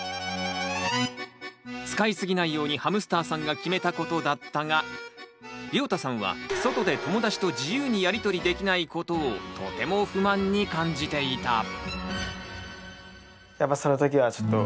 使い過ぎないようにハムスターさんが決めたことだったがりょうたさんは外で友だちと自由にやり取りできないことをとても不満に感じていた。